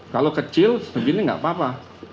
kalau kecil segini tidak apa apa